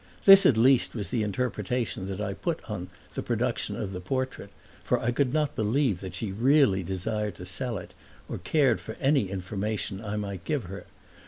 This, at least, was the interpretation that I put upon her production of the portrait, for I could not believe that she really desired to sell it or cared for any information I might give her.